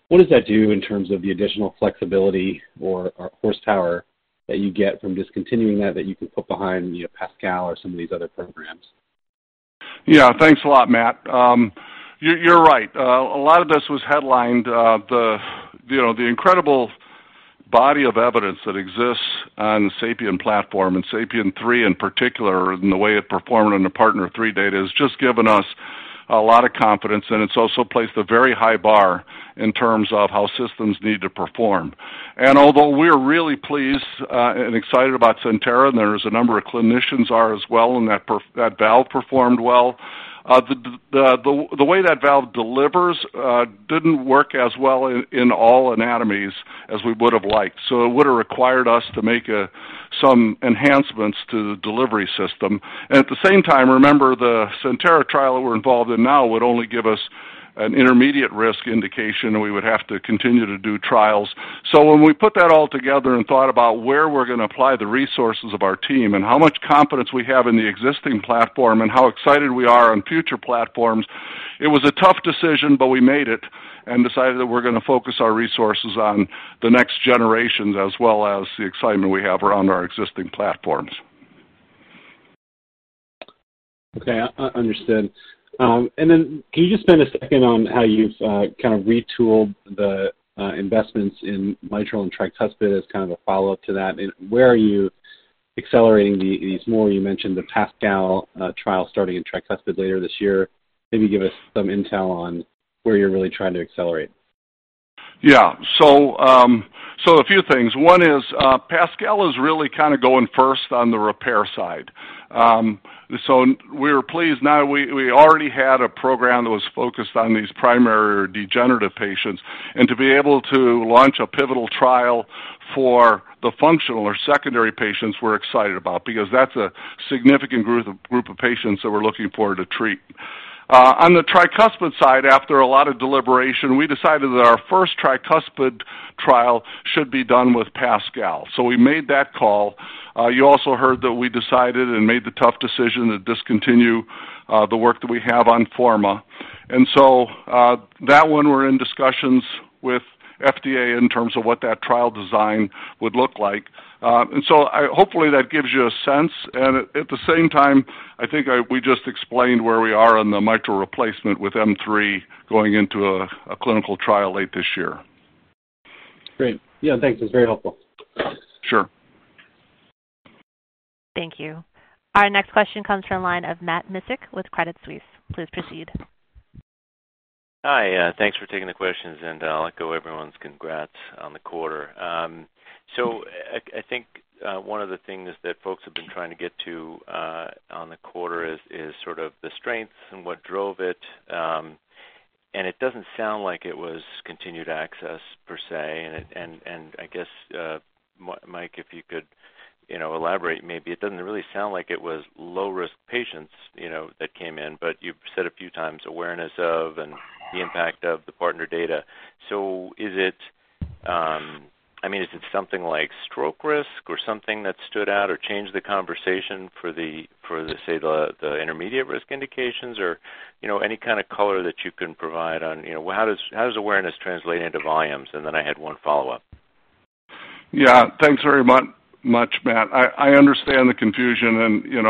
what does that do in terms of the additional flexibility or horsepower that you get from discontinuing that you can put behind PASCAL or some of these other programs? Yeah. Thanks a lot, Matt. You're right. A lot of this was headlined the incredible body of evidence that exists on the SAPIEN platform and SAPIEN 3 in particular, and the way it performed in the PARTNER 3 data has just given us a lot of confidence, and it's also placed a very high bar in terms of how systems need to perform. Although we are really pleased and excited about CENTERA, and there is a number of clinicians are as well, and that valve performed well. The way that valve delivers didn't work as well in all anatomies as we would have liked. It would have required us to make some enhancements to the delivery system. At the same time, remember the CENTERA trial that we're involved in now would only give us an intermediate risk indication, and we would have to continue to do trials. When we put that all together and thought about where we're going to apply the resources of our team and how much confidence we have in the existing platform and how excited we are on future platforms, it was a tough decision, but we made it and decided that we're going to focus our resources on the next generations as well as the excitement we have around our existing platforms. Okay. Understood. Can you just spend a second on how you've kind of retooled the investments in mitral and tricuspid as kind of a follow-up to that? Where are you accelerating these more? You mentioned the PASCAL trial starting in tricuspid later this year. Maybe give us some intel on where you're really trying to accelerate? Yeah. A few things. One is, PASCAL is really kind of going first on the repair side. We were pleased. Now we already had a program that was focused on these primary or degenerative patients. To be able to launch a pivotal trial for the functional or secondary patients, we're excited about, because that's a significant group of patients that we're looking forward to treat. On the tricuspid side, after a lot of deliberation, we decided that our first tricuspid trial should be done with PASCAL. We made that call. You also heard that we decided and made the tough decision to discontinue the work that we have on FORMA. That one we're in discussions with FDA in terms of what that trial design would look like. Hopefully that gives you a sense. At the same time, I think we just explained where we are on the mitral replacement with M3 going into a clinical trial late this year. Great. Yeah, thanks. It was very helpful. Sure. Thank you. Our next question comes from the line of Matt Miksic with Credit Suisse. Please proceed. Hi. Thanks for taking the questions, I'll echo everyone's congrats on the quarter. I think one of the things that folks have been trying to get to on the quarter is sort of the strengths and what drove it. It doesn't sound like it was continued access per se. I guess, Mike, if you could elaborate, maybe it doesn't really sound like it was low-risk patients that came in, but you've said a few times awareness of and the impact of the PARTNER data. Is it something like stroke risk or something that stood out or changed the conversation for, say, the intermediate risk indications? Any kind of color that you can provide on how does awareness translate into volumes? Then I had one follow-up. Yeah. Thanks very much, Matt. I understand the confusion and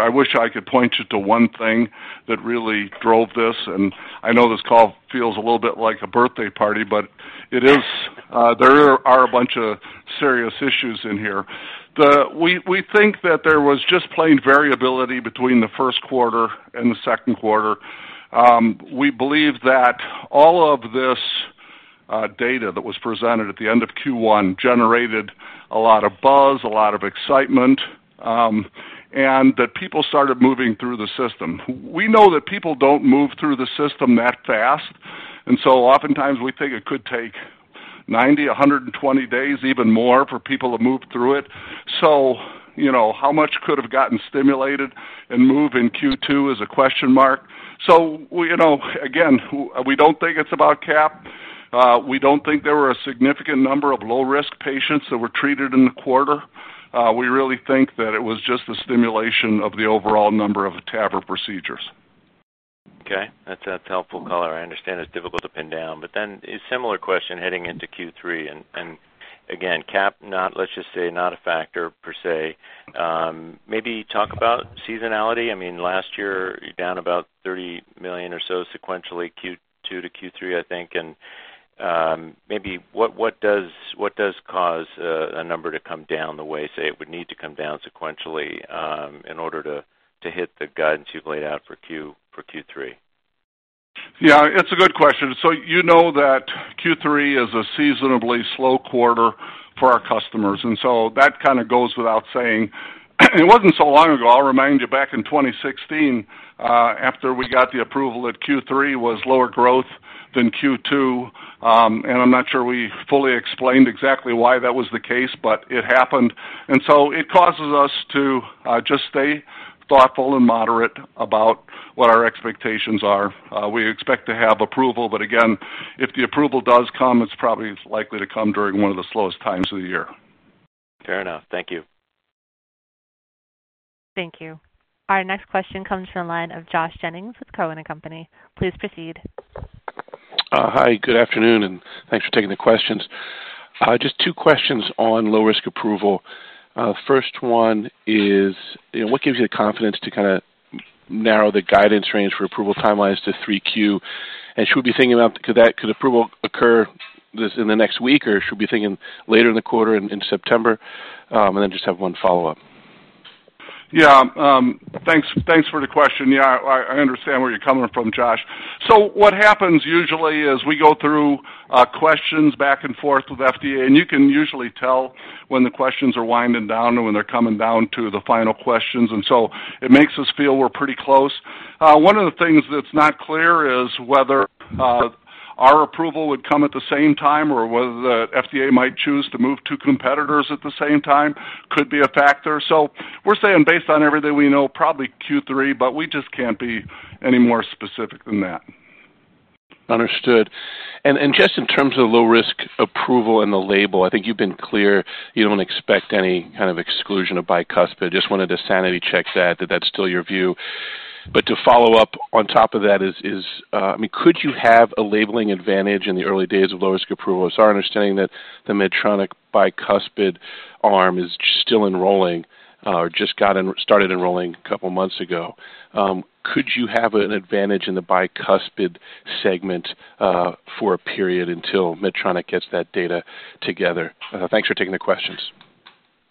I wish I could point you to one thing that really drove this. I know this call feels a little bit like a birthday party, but there are a bunch of serious issues in here. We think that there was just plain variability between the first quarter and the second quarter. We believe that all of this data that was presented at the end of Q1 generated a lot of buzz, a lot of excitement, and that people started moving through the system. We know that people don't move through the system that fast. Oftentimes we think it could take 90, 120 days, even more for people to move through it. How much could've gotten stimulated and move in Q2 is a question mark. Again, we don't think it's about CAP. We don't think there were a significant number of low-risk patients that were treated in the quarter. We really think that it was just the stimulation of the overall number of TAVR procedures. Okay. That's a helpful color. I understand it's difficult to pin down. A similar question heading into Q3, again, CAP, let's just say not a factor per se. Maybe talk about seasonality. Last year you were down about $30 million or so sequentially, Q2 to Q3, I think. Maybe what does cause a number to come down the way, say, it would need to come down sequentially in order to hit the guidance you've laid out for Q3? Yeah, it's a good question. You know that Q3 is a seasonably slow quarter for our customers, that kind of goes without saying. It wasn't so long ago, I'll remind you, back in 2016, after we got the approval that Q3 was lower growth than Q2. I'm not sure we fully explained exactly why that was the case, but it happened. It causes us to just stay thoughtful and moderate about what our expectations are. We expect to have approval, but again, if the approval does come, it's probably likely to come during one of the slowest times of the year. Fair enough. Thank you. Thank you. Our next question comes from the line of Josh Jennings with Cowen and Company. Please proceed. Hi, good afternoon. Thanks for taking the questions. Just two questions on low-risk approval. First one is, what gives you the confidence to kind of narrow the guidance range for approval timelines to 3Q? Should we be thinking about, could approval occur in the next week, or should we be thinking later in the quarter, in September? Just have one follow-up. Yeah. Thanks for the question. Yeah, I understand where you're coming from, Josh. What happens usually is we go through questions back and forth with FDA, and you can usually tell when the questions are winding down and when they're coming down to the final questions. It makes us feel we're pretty close. One of the things that's not clear is whether our approval would come at the same time, or whether the FDA might choose to move two competitors at the same time could be a factor. We're saying based on everything we know, probably Q3, but we just can't be any more specific than that. Understood. Just in terms of low-risk approval and the label, I think you've been clear you don't expect any kind of exclusion of bicuspid. Just wanted to sanity check that that's still your view. To follow-up on top of that is, could you have a labeling advantage in the early days of low-risk approval? It's our understanding that the Medtronic bicuspid arm is still enrolling or just got started enrolling a couple of months ago. Could you have an advantage in the bicuspid segment for a period until Medtronic gets that data together. Thanks for taking the questions.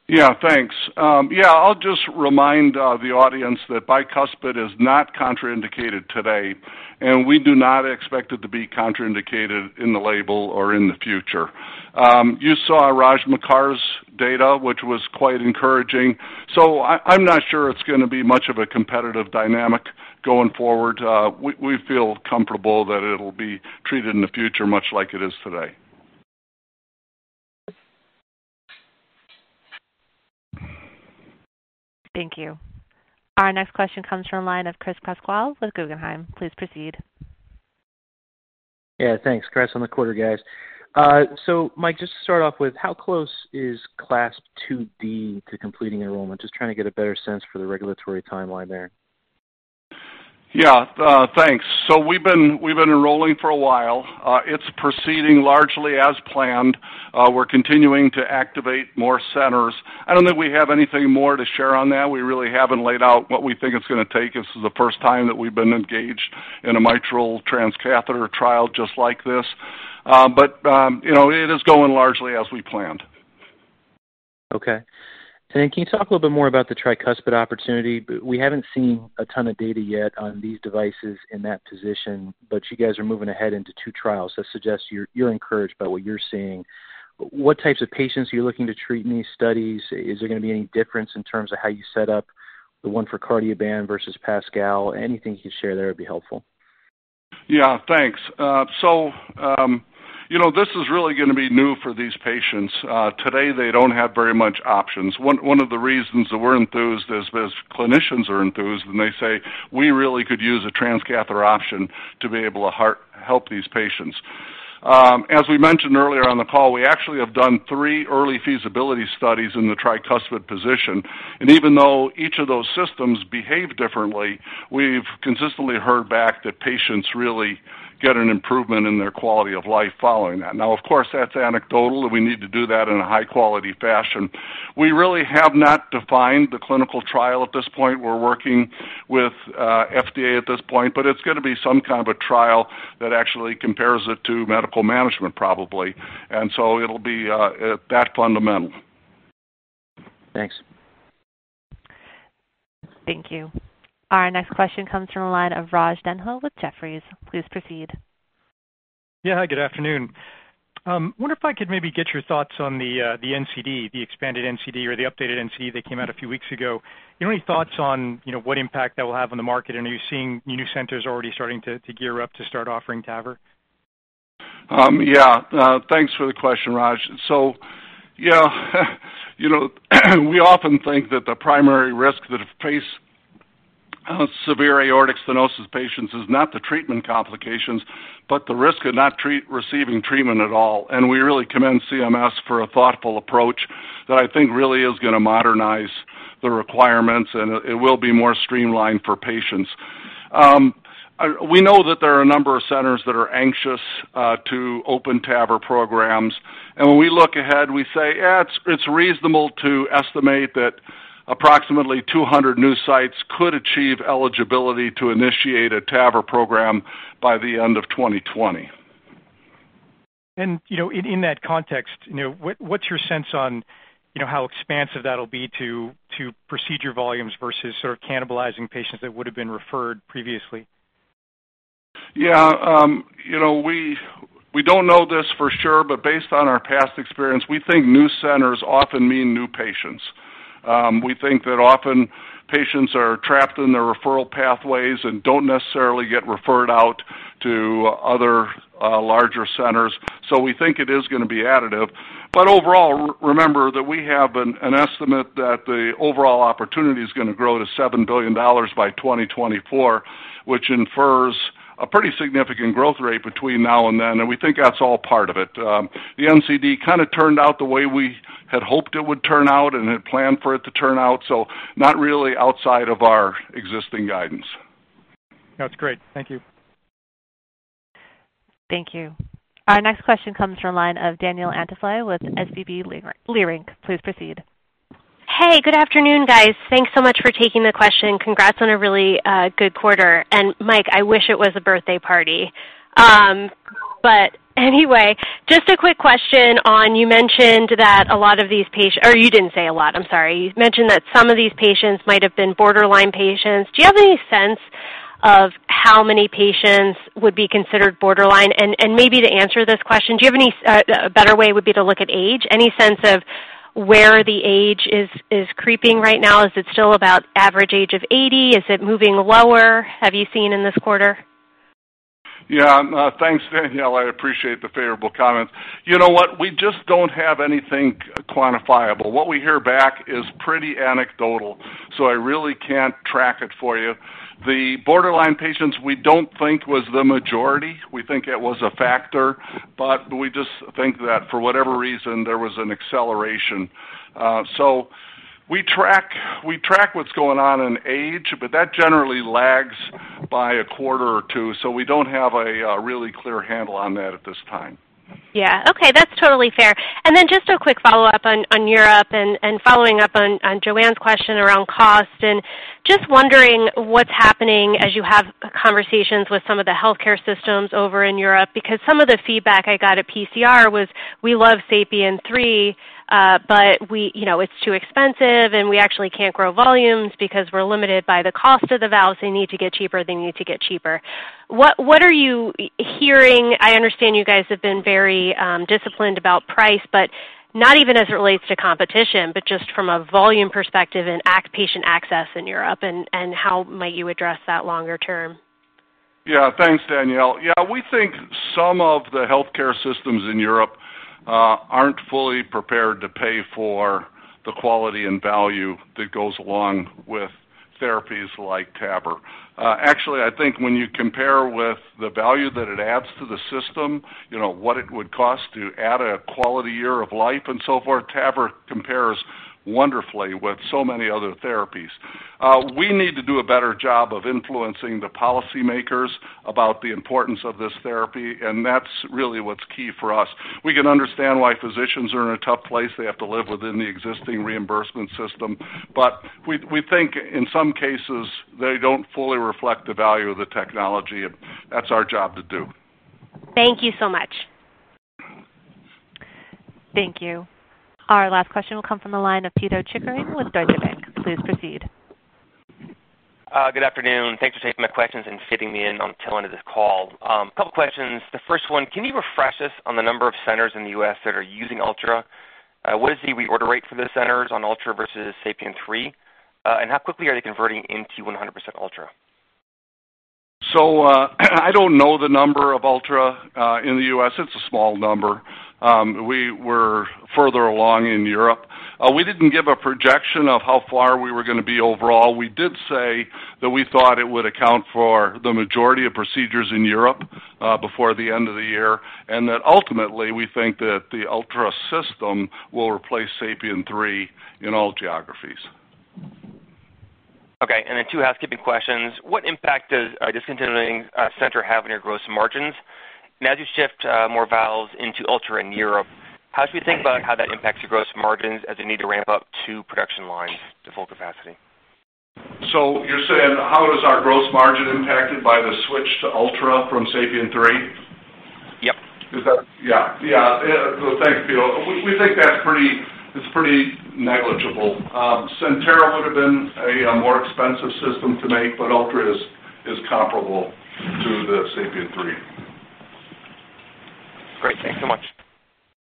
Yeah, thanks. Yeah, I'll just remind the audience that bicuspid is not contraindicated today, and we do not expect it to be contraindicated in the label or in the future. You saw Raj Makkar's data, which was quite encouraging. I'm not sure it's going to be much of a competitive dynamic going forward. We feel comfortable that it'll be treated in the future much like it is today. Thank you. Our next question comes from the line of Chris Pasquale with Guggenheim. Please proceed. Yeah, thanks. Chris on the quarter, guys. Mike, just to start off with, how close is CLASP IID to completing enrollment? Just trying to get a better sense for the regulatory timeline there. Yeah. Thanks. We've been enrolling for a while. It's proceeding largely as planned. We're continuing to activate more centers. I don't think we have anything more to share on that. We really haven't laid out what we think it's going to take. This is the first time that we've been engaged in a mitral transcatheter trial just like this. It is going largely as we planned. Okay. Can you talk a little bit more about the tricuspid opportunity? We haven't seen a ton of data yet on these devices in that position, but you guys are moving ahead into two trials. That suggests you're encouraged by what you're seeing. What types of patients are you looking to treat in these studies? Is there going to be any difference in terms of how you set up the one for Cardioband versus PASCAL? Anything you can share there would be helpful. Yeah, thanks. This is really going to be new for these patients. Today, they don't have very much options. One of the reasons that we're enthused is because clinicians are enthused, and they say we really could use a transcatheter option to be able to help these patients. As we mentioned earlier on the call, we actually have done three early feasibility studies in the tricuspid position, and even though each of those systems behave differently, we've consistently heard back that patients really get an improvement in their quality of life following that. Of course, that's anecdotal, and we need to do that in a high-quality fashion. We really have not defined the clinical trial at this point. We're working with FDA at this point. It's going to be some kind of a trial that actually compares it to medical management, probably. It'll be that fundamental. Thanks. Thank you. Our next question comes from the line of Raj Denhoy with Jefferies. Please proceed. Yeah. Good afternoon. Wonder if I could maybe get your thoughts on the NCD, the expanded NCD or the updated NCD that came out a few weeks ago. Are you seeing new centers already starting to gear up to start offering TAVR? Yeah, thanks for the question, Raj. We often think that the primary risk that face severe aortic stenosis patients is not the treatment complications, but the risk of not receiving treatment at all. We really commend CMS for a thoughtful approach that I think really is going to modernize the requirements, and it will be more streamlined for patients. We know that there are a number of centers that are anxious to open TAVR programs. When we look ahead, we say it's reasonable to estimate that approximately 200 new sites could achieve eligibility to initiate a TAVR program by the end of 2020. In that context, what's your sense on how expansive that'll be to procedure volumes versus sort of cannibalizing patients that would've been referred previously? We don't know this for sure, but based on our past experience, we think new centers often mean new patients. We think that often patients are trapped in the referral pathways and don't necessarily get referred out to other larger centers. We think it is going to be additive. Overall, remember that we have an estimate that the overall opportunity's going to grow to $7 billion by 2024, which infers a pretty significant growth rate between now and then, and we think that's all part of it. The NCD kind of turned out the way we had hoped it would turn out and had planned for it to turn out, so not really outside of our existing guidance. That's great. Thank you. Thank you. Our next question comes from line of Danielle Antalffy with SVB Leerink. Please proceed. Hey, good afternoon, guys. Thanks so much for taking the question. Congrats on a really good quarter. Mike, I wish it was a birthday party. Anyway, just a quick question on, you mentioned that you didn't say a lot, I'm sorry. You've mentioned that some of these patients might have been borderline patients. Do you have any sense of how many patients would be considered borderline? Maybe to answer this question, do you have any better way would be to look at age? Any sense of where the age is creeping right now? Is it still about average age of 80? Is it moving lower? Have you seen in this quarter? Yeah. Thanks, Danielle. I appreciate the favorable comments. You know what? We just don't have anything quantifiable. What we hear back is pretty anecdotal, so I really can't track it for you. The borderline patients, we don't think was the majority. We think it was a factor, but we just think that for whatever reason, there was an acceleration. We track what's going on in age, but that generally lags by a quarter or two, so we don't have a really clear handle on that at this time. Yeah. Okay, that's totally fair. Just a quick follow-up on Europe and following up on Joanne's question around cost and just wondering what's happening as you have conversations with some of the healthcare systems over in Europe, because some of the feedback I got at PCR was, "We love SAPIEN 3, but it's too expensive, and we actually can't grow volumes because we're limited by the cost of the valves. They need to get cheaper." What are you hearing? I understand you guys have been very disciplined about price, but not even as it relates to competition, but just from a volume perspective and patient access in Europe, and how might you address that longer-term? Yeah. Thanks, Danielle. Yeah, we think some of the healthcare systems in Europe aren't fully prepared to pay for the quality and value that goes along with therapies like TAVR. Actually, I think when you compare with the value that it adds to the system, what it would cost to add a quality year of life and so forth, TAVR compares wonderfully with so many other therapies. We need to do a better job of influencing the policymakers about the importance of this therapy, and that's really what's key for us. We can understand why physicians are in a tough place. They have to live within the existing reimbursement system. We think in some cases, they don't fully reflect the value of the technology, and that's our job to do. Thank you so much. Thank you. Our last question will come from the line of Pito Chickering with Deutsche Bank. Please proceed. Good afternoon. Thanks for taking my questions and fitting me in on the tail end of this call. A couple questions. The first one, can you refresh us on the number of centers in the U.S. that are using Ultra? What is the reorder rate for the centers on Ultra versus SAPIEN 3? How quickly are they converting into 100% Ultra? I don't know the number of Ultra in the U.S. It's a small number. We were further along in Europe. We didn't give a projection of how far we were going to be overall. We did say that we thought it would account for the majority of procedures in Europe before the end of the year, and that ultimately, we think that the Ultra system will replace SAPIEN 3 in all geographies. Okay, then two housekeeping questions. What impact does discontinuing CENTERA have on your gross margins? As you shift more valves into Ultra in Europe, how should we think about how that impacts your gross margins as you need to ramp-up two production lines to full capacity? You're saying how is our gross margin impacted by the switch to Ultra from SAPIEN 3? Yep. Yeah. Thanks, Pito. We think that's pretty negligible. CENTERA would've been a more expensive system to make, Ultra is comparable to the SAPIEN 3. Great. Thanks so much.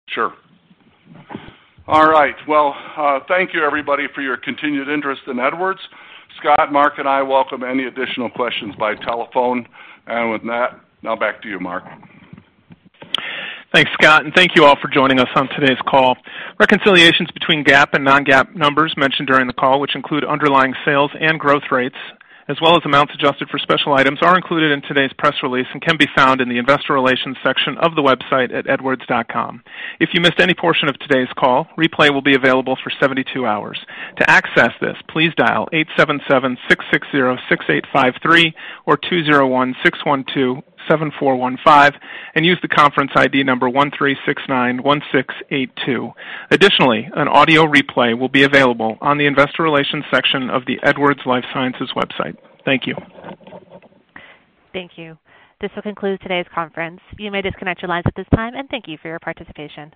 Sure. All right, well, thank you everybody for your continued interest in Edwards. Scott, Mark, and I welcome any additional questions by telephone. With that, now back to you, Mark. Thanks, Scott. Thank you all for joining us on today's call. Reconciliations between GAAP and non-GAAP numbers mentioned during the call, which include underlying sales and growth rates, as well as amounts adjusted for special items, are included in today's press release and can be found in the investor relations section of the website at edwards.com. If you missed any portion of today's call, replay will be available for 72 hours. To access this, please dial 877-660-6853 or 201-612-7415 and use the conference ID number 13691682. Additionally, an audio replay will be available on the investor relations section of the Edwards Lifesciences website. Thank you. Thank you. This will conclude today's conference. You may disconnect your lines at this time, and thank you for your participation.